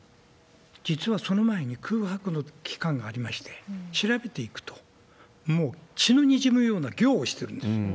実はその前に、空白の期間がありまして、調べていくと、もう血のにじむような行をしてるんです。